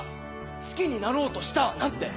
「好きになろうとした」なんて。